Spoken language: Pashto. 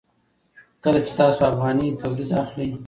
کله چې تاسو افغاني تولید اخلئ.